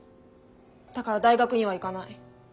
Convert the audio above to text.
だから大学には行かない。